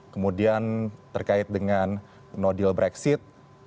kemudian terkait dengan nodil brexit